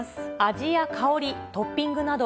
味や香り、トッピングなど、